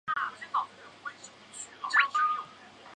承圣初历官至侍中。